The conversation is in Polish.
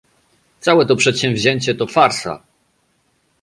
Całe to przedsięwzięcie to farsa!